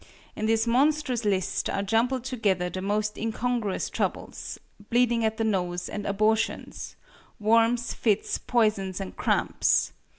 In this monstrous list are jumbled together the most incongruous troubles. "Bleeding at the nose, and abortions;" "worms, fits, poisons and cramps."